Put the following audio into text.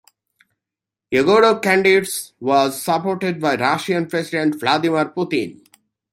Yegorov's candidacy was supported by Russian President Vladimir Putin.